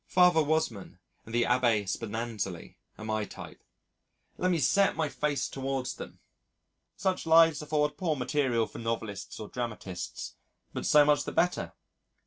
Father Wasmann and the Abbé Spallanzani are the type. Let me set my face towards them. Such lives afford poor material for novelists or dramatists, but so much the better.